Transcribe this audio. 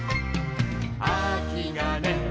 「あきがね